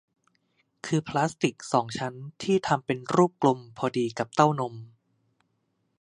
คือพลาสติกสองชั้นที่ทำเป็นรูปกลมพอดีกับเต้านม